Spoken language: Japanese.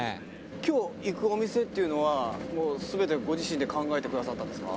「今日行くお店っていうのはもう全てご自身で考えてくださったんですか？」